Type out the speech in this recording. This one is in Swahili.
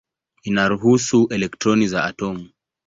Inahusu elektroni za atomu.